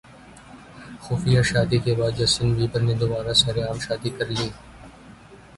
خفیہ شادی کے بعد جسٹن بیبر نے دوبارہ سرعام شادی کرلی